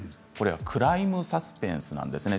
クライムサスペンスなんですね。